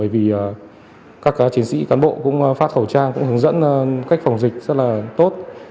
vì các chiến sĩ cán bộ cũng phát khẩu trang cũng hướng dẫn cách phòng dịch rất là tốt